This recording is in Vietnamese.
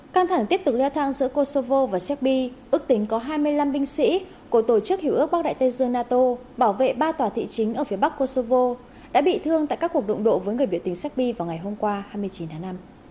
căng thẳng tiếp tục leo thang giữa kosovo và serbi ước tính có hai mươi năm binh sĩ của tổ chức hiểu ước bắc đại tây dương nato bảo vệ ba tòa thị chính ở phía bắc kosovo đã bị thương tại các cuộc đụng độ với người biểu tình serbi vào ngày hôm qua hai mươi chín tháng năm